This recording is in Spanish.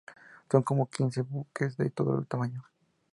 Son como quince buques de todo tamaño.